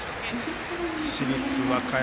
市立和歌山